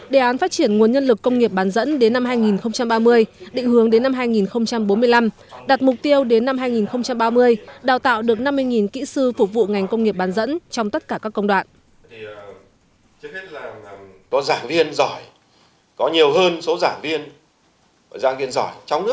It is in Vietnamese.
đề án phát triển nguồn nhân lực công nghiệp bán dẫn đến năm hai nghìn ba mươi định hướng đến năm hai nghìn bốn mươi năm đặt mục tiêu đến năm hai nghìn ba mươi đào tạo được năm mươi kỹ sư phục vụ ngành công nghiệp bán dẫn trong tất cả các công đoạn